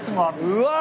うわ！